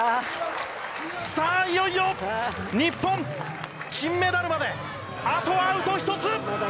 さあ、いよいよ日本金メダルまであとアウト１つ。